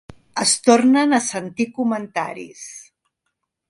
Es tornen a sentir comentaris.